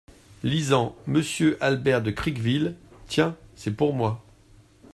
Lisant. "Monsieur Albert de Criqueville…" Tiens ! c’est pour moi !